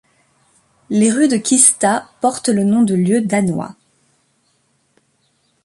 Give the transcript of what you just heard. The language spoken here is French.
Les rues de Kista portent le nom de lieux danois.